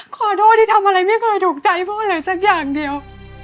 ขอโทษที่ทำอะไรไม่เคยถูกใจพูดอะไรสักอย่างเดียว